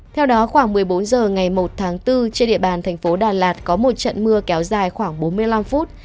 theo đó khoảng một mươi bốn h ngày một bốn trên địa bàn tp đà lạt có một trận mưa kéo dài khoảng bốn mươi năm phút